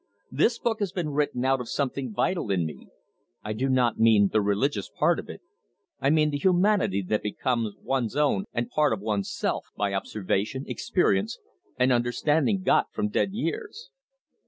This book has been written out of something vital in me I do not mean the religious part of it, I mean the humanity that becomes one's own and part of one's self, by observation, experience, and understanding got from dead years."